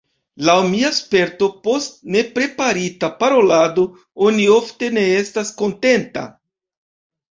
Laŭ mia sperto, post nepreparita parolado oni ofte ne estas kontenta.